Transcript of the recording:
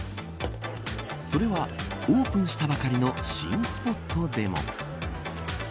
それはオープンしたばかりの新スポットでも。